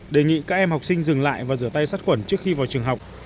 đề nghị các em học sinh dừng lại và rửa tay sát khuẩn trước khi vào trường học